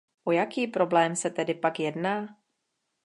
O jaký problém se tedy pak jedná?